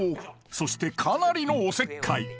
そしてかなりのおせっかい